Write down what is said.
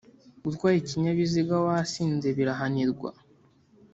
Gutwara ikinyabiziga wasinze birahanirwa